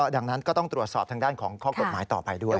ดังนั้นก็ต้องตรวจสอบทางด้านของข้อกฎหมายต่อไปด้วย